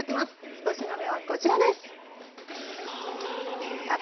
１品目はこちらです。